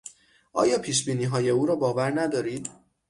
آیا پیشبینیهای او را باور ندارید؟